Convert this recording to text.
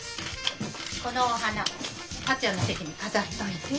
このお花達也の席に飾っといて。